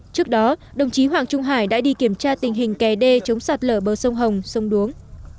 trước đó đồng chí hoàng trung hải đã đi kiểm tra tình hình kè đê chống sạt lở bờ sông hồng sông đuống